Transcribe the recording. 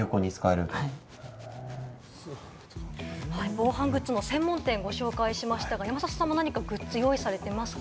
防犯グッズの専門店をご紹介しましたが、山里さんは何かグッズ用意されてますか？